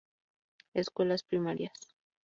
Escuelas primarias